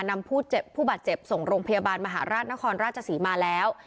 นำผู้เจ็บผู้บาดเจ็บส่งโรงพยาบาลมหาราชนครราชสีมาแล้ว